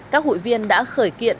các hụi viên đã khởi kiện